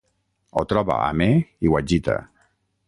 Ho troba amè i ho agita.